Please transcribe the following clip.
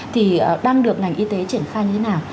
thì đang được ngành y tế triển khai như thế nào